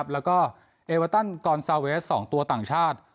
แล้วก็เอเวอร์ตันกอนซาเวส๒ตัวต่างชาติ